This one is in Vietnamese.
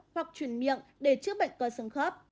hoặc truyền miệng để chữa bệnh cơ sương khớp